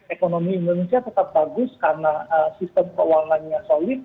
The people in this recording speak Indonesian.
ekonomi indonesia tetap bagus karena sistem keuangannya solid